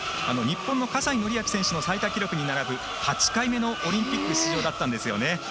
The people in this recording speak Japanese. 日本の葛西紀明選手の最多記録に並ぶ８回目のオリンピック出場だったんですね。